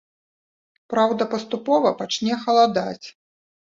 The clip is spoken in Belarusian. Праўда, паступова пачне халадаць.